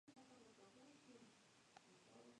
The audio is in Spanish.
Comenzó jugando en el Aragua.